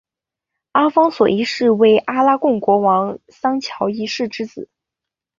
阿方索一世为阿拉贡国王桑乔一世之子。